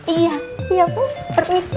iya iya bu permisi